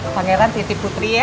pangeran titip putri ya